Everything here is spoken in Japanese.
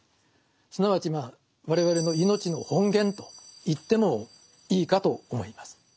すなわちまあ我々の命の本源と言ってもいいかと思います。